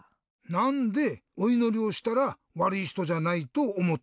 なんでおいのりをしたらわるいひとじゃないとおもったの？